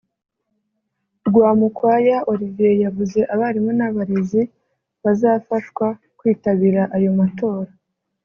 Rwamukwaya Olivier yavuze abarimu n’abarezi bazafashwa kwitabira ayo matora